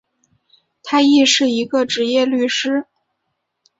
他亦是一个执业律师。